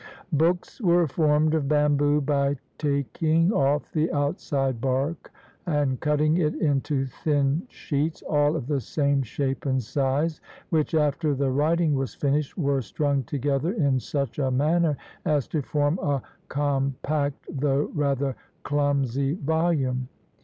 Books were formed of bamboo by taking off the outside bark and cutting it into thin sheets, all of the same shape and size; which, after the writing was finished, were strung together in such a manner as to form a compact though rather clumsy volume.